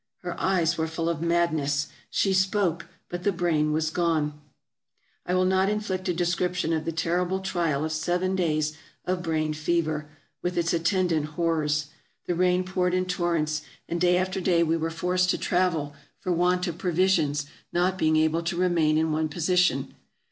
Her eyes were full of madness ! She spoke ; but the brain was gone ! I will not inflict a description of the terrible trial of seven days of brain fever, with its attendant horrors. The rain poured in torrents, and day after day we were forced to AFRICA 379 travel, for want of provisions, not being able to remain in one position.